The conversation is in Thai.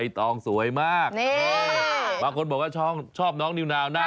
เห็นแล้วมาบอกว่าคุณชนะหล่อมาก